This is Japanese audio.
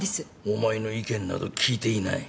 お前の意見など聞いていない。